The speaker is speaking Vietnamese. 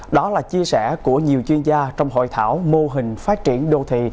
đó là chia sẻ của nhiều chuyên gia trong hội thảo mô hình phát triển đô thị